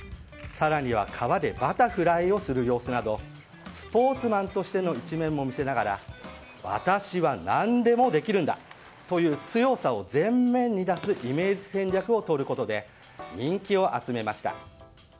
更には川でバタフライをする様子などスポーツマンとしての一面も見せながら私は何でもできるんだという強さを前面に出すイメージ戦略をとることで人気を集めました。